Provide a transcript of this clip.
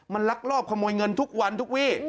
มันลักลอบขโมยเงินทุกวันทุกวี่